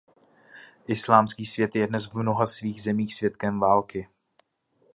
Islámský svět je dnes v mnoha svých zemích svědkem války.